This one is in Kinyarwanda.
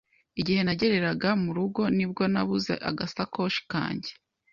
Igihe nageraga mu rugo, ni bwo nabuze agasakoshi kanjye.